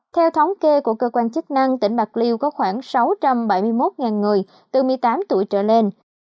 theo thống kê của cơ quan chức năng tỉnh bạc liêu có khoảng sáu trăm bảy mươi một người từ một mươi tám tuổi trở lên